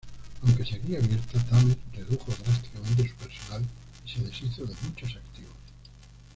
Aunque seguía abierta, Thames redujo drásticamente su personal y se deshizo de muchos activos.